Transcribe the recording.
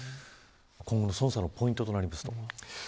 今後の捜査のポイントはどうですか。